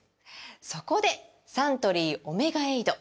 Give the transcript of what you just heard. そこでサントリー「オメガエイド」！